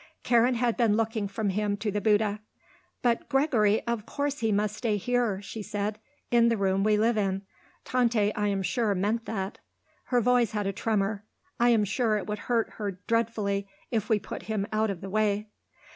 Karen had been looking from him to the Bouddha. "But Gregory, of course he must stay here," she said, "in the room we live in. Tante, I am sure, meant that." Her voice had a tremor. "I am sure it would hurt her dreadfully if we put him out of the way."